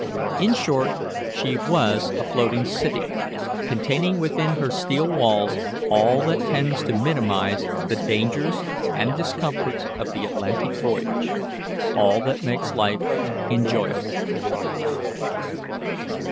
In short, she was a floating city containing within her steel walls all that tends to minimize the dangers and discomforts of the Atlantic voyage all that makes life enjoyable.